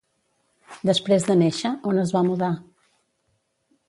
Després de néixer, on es va mudar?